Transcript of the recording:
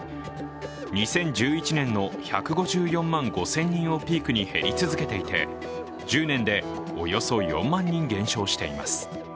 ２０１１年の１５４万５０００人をピークに減り続けていて、１０年でおよそ４万人減少しています。